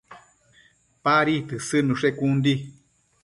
Padi tësëdnushe con di